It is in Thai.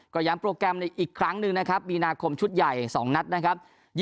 ก็ย้ำโปรแกรมอีกครั้งหนึ่งนะครับมีนาคมชุดใหญ่๒นัดนะครับ